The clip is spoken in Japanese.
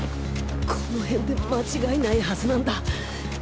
このへんで間違いないはずなんだ。